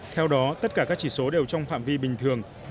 theo đó tất cả các chỉ số đều trong phạm vi bình thường